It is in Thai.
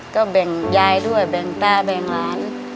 ก็แบ่งยายด้วยแบ่งตาแบ่งหลาน